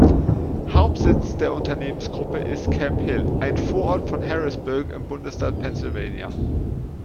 Hauptsitz der Unternehmensgruppe ist Camp Hill, ein Vorort von Harrisburg im Bundesstaat Pennsylvania.